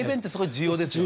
重要ですね。